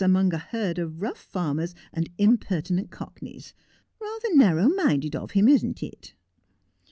amongst a herd of rough farmers and impertinent cockneys. Rather narrow minded of him, isn't it